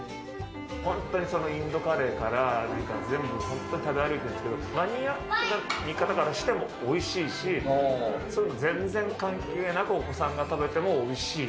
本当にインドカレーから全部、本当に食べ歩いてるんですけど、マニアックな見方からしてもおいしいし、そういうの全然関係なく、お子さんが食べてもおいしい。